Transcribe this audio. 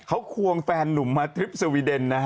เขาควงแฟนนุ่มมาทริปสวีเดนนะฮะ